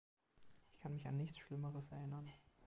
Ich kann mich an nichts Schlimmeres erinnern.